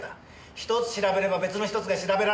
一つ調べれば別の一つが調べられなくなる。